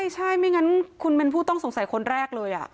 ใช่ไม่งั้นคุณเป็นผู้ต้องสงสัยคนแรกเลย